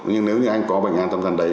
nhưng nếu như anh có bệnh án tâm thần đấy